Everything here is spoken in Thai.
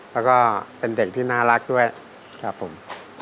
แล้วก็เป็นเด็กที่น่ารักด้วยครับผม